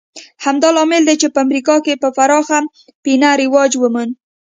همدا لامل دی چې په امریکا کې په پراخه پینه رواج وموند